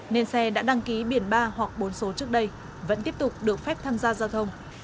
nên xe đã đăng ký biển ba hoặc bốn số trước đây vẫn tiếp tục được phép tham gia giao thông